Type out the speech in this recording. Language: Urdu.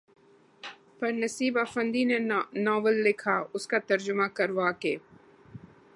پر نسیب آفندی نے ناول لکھا، اس کا ترجمہ کروا کے